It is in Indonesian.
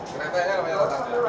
keretanya namanya ratangga